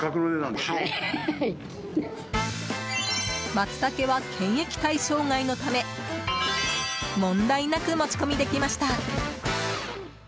マツタケは検疫対象外のため問題なく持ち込みできました。